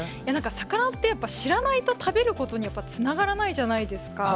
魚って、知らないと食べることにつながらないじゃないですか。